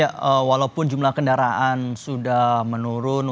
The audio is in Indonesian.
ya walaupun jumlah kendaraan sudah menurun